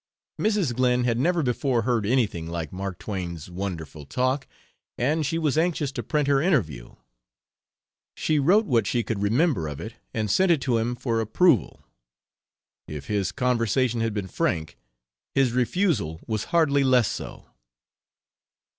Mrs. Glyn had never before heard anything like Mark Twain's wonderful talk, and she was anxious to print their interview. She wrote what she could remember of it and sent it to him for approval. If his conversation had been frank, his refusal was hardly less so.